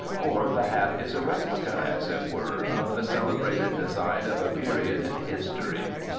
Or the hat is a replica, as it were, of the celebrated design of a period in history.